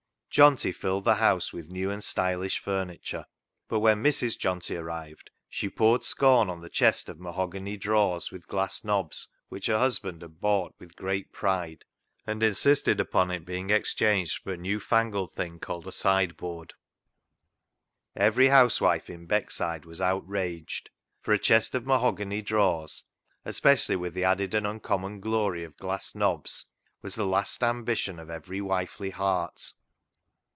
Johnty filled the house with new and stylish furniture, but when Mrs, Johnty arrived she poured scorn on the chest of mahogany drawers with glass knobs, which her husband had bought with great pride, and insisted on its being exchanged for a new fangled thing called a sideboard. Every housewife in Beck side was outraged, for a chest of mahogany drawers, especially with the added and un common glory of glass knobs, was the last ambition of every wifely heart.